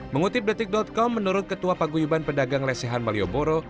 mengutip detik com menurut ketua paguyuban pedagang lesehan malioboro